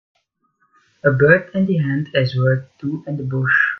A bird in the hand is worth two in the bush.